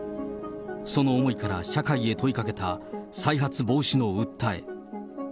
その思いから社会へ問いかけた再発防止の訴え。